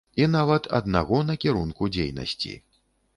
І нават аднаго накірунку дзейнасці.